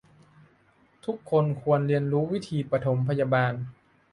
ทุกคนควรเรียนรู้วิธีปฐมพยาบาล